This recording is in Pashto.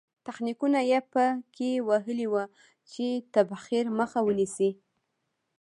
تخنیکونه یې په کې وهلي وو چې تبخیر مخه ونیسي.